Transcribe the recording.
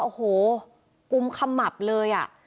โอ้โหกุมคำหมับเลย